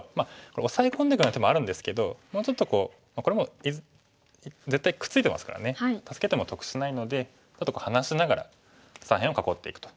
これオサエ込んでいくような手もあるんですけどもうちょっとこうこれも絶対くっついてますからね助けても得しないのでちょっと離しながら左辺を囲っていくと。